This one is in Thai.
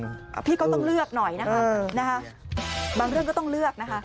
พี่ก็ต้องเลือกหน่อยนะคะบางเรื่องก็ต้องเลือกนะคะ